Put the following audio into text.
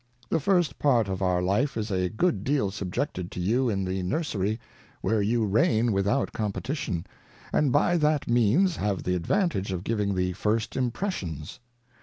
The first part of our Life is a good deal subjected to you in the Nursery, where you Reign without Competition, and by that means have the advantage of giving the first Impressions.